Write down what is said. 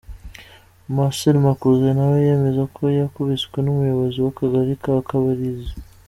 Marcel Makuza nawe yemeza ko yakubiswe n’umuyobozi w’akagari ka Kabilizi.